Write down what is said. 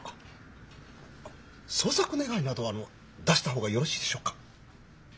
捜索願などをあの出した方がよろしいでしょうか？